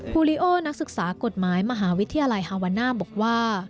ลิโอนักศึกษากฎหมายมหาวิทยาลัยฮาวาน่าบอกว่า